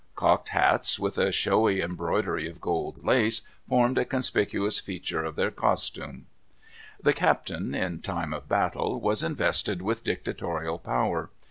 Cocked hats, with a showy embroidery of gold lace, formed a conspicuous feature of their costume. The captain, in time of battle, was invested with dictatorial power.